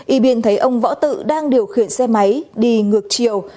yibin thấy ông võ tự đang điều khiển xe máy đi ngược chiều